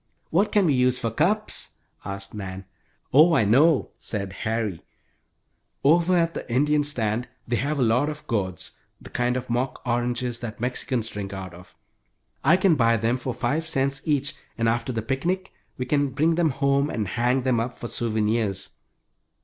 "What can we use for cups?" asked Nan. "Oh, I know," said Harry, "over at the Indian stand they have a lot of gourds, the kind of mock oranges that Mexicans drink out of. I can buy them for five cents each, and after the picnic we can bring them home and hang them up for souvenirs."